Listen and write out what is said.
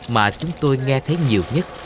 mà chúng tôi nghe thấy nhiều nhất